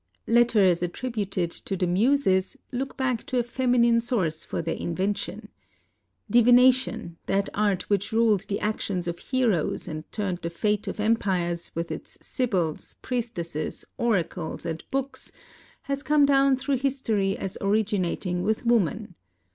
Letters, attributed to the Muses, look back to a feminine source for their invention. Divination, that art which ruled the actions of heroes and turned the fate of empires, with its sibyls, priestesses, oracles, and books, has come down through history as originating with woman.